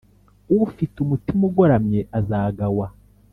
ufite umutima ugoramye azagawa